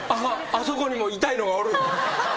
あそこにも痛いのがおる。